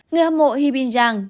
người hâm mộ hippie jang